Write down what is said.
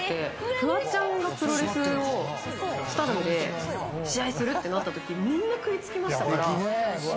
フワちゃんがプロレスをスターダムで試合するってなった時みんな食い付きましたから。